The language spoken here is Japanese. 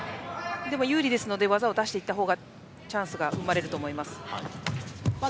でも、有利ですから技を出していった方がチャンスが生まれると思います。